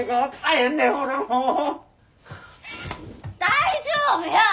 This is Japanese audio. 大丈夫や！